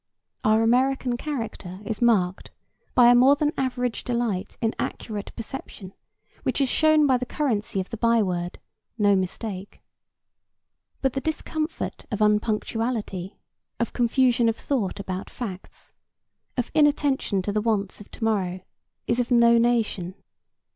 Our American character is marked by a more than average delight in accurate perception, which is shown by the currency of the byword, "No mistake." But the discomfort of unpunctuality, of confusion of thought about facts, of inattention to the wants of to morrow, is of no nation.